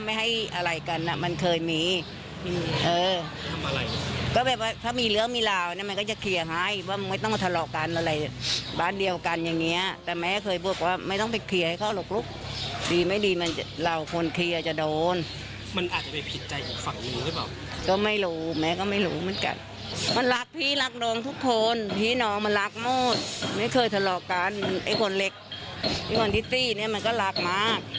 มันอาจจะไปผิดใจฝั่งงานไว้หรือเปล่า